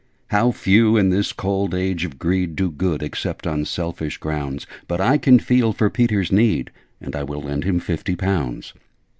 How few, in this cold age of greed, Do good, except on selfish grounds! But I can feel for Peter's need, And I WILL LEND HIM FIFTY POUNDS!'